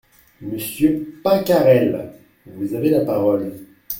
Monsieur Pacarel… vous avez la parole…